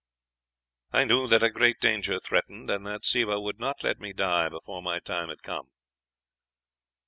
"'I knew that a great danger threatened, and that Siva would not let me die before my time had come.'